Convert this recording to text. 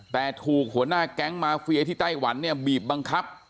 แต่ถูกหัวหน้าแก๊งมาเฟียที่ไต้หวันเนี่ยบีบบังคับ